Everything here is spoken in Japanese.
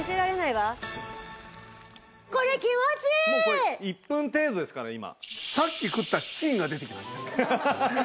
これ１分程度ですから今。